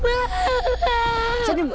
bisa diam mbak